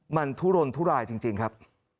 มันทุรนทุรายจริงครับ